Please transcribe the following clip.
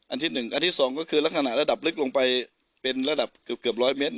ที่๑อันที่๒ก็คือลักษณะระดับลึกลงไปเป็นระดับเกือบ๑๐๐เมตร